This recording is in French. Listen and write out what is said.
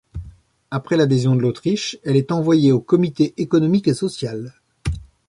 Après l'adhésion de l'Autriche elle est envoyée au Comité économique et social.